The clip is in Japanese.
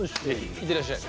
行ってらっしゃい。